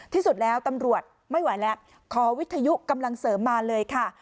ที่สุดแล้วตำรวจไม่ไหวแล้วขอวิทยุกำลังเสริมมาเลยค่ะ